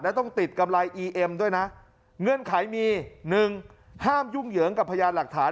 และต้องติดกำไรอีเอ็มด้วยนะเงื่อนไขมีหนึ่งห้ามยุ่งเหยิงกับพยานหลักฐาน